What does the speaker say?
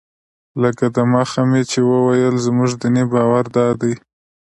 لکه دمخه مې چې وویل زموږ دیني باور دادی.